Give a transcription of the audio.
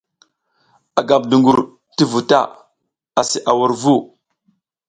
A gam dungur ti vu ta asi a wur vu.